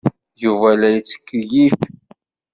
Yuba la yettkeyyif.